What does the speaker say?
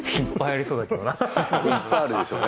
いっぱいあるでしょう